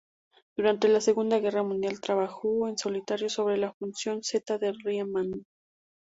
Durante la Segunda Guerra Mundial trabajo en solitario sobre la función zeta de Riemann.